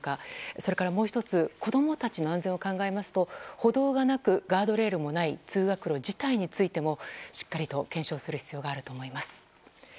それからもう１つ子供たちの安全を考えますと歩道がなく、ガードレールもない通学路自体についてもしっかりと検証する必要があると思います。